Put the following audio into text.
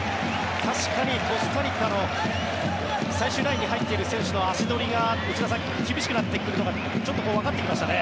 確かにコスタリカの最終ラインに入ってる選手の足取りが内田さん、厳しくなってくるのがちょっとわかってきましたね。